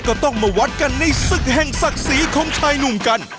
ก็ต้องมาวัดกันในศึกแห่งศักดิ์ศรีของชายหนุ่มกัน